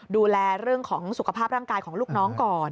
ดูแลเรื่องของสุขภาพร่างกายของลูกน้องก่อน